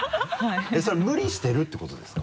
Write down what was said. それは無理してるってことですか？